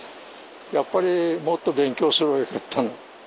やっぱりもっと勉強すればよかったな。